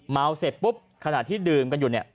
เมาเสร็จปุ๊บขณะที่ดื่มกันอยู่เนี่ย